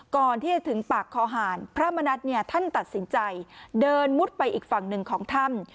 ก่อนที่จะถึงปากคอหารพระมณัฐท่านตัดสินใจเดินมุดไปอีกฝั่งหนึ่งของถ้ำ